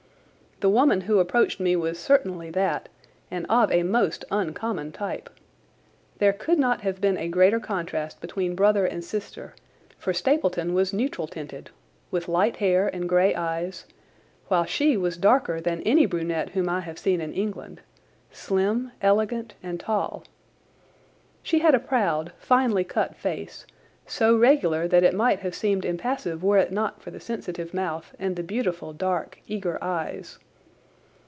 The woman who approached me was certainly that, and of a most uncommon type. There could not have been a greater contrast between brother and sister, for Stapleton was neutral tinted, with light hair and grey eyes, while she was darker than any brunette whom I have seen in England—slim, elegant, and tall. She had a proud, finely cut face, so regular that it might have seemed impassive were it not for the sensitive mouth and the beautiful dark, eager eyes.